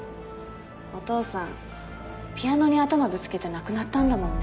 お父さんピアノに頭ぶつけて亡くなったんだもんね。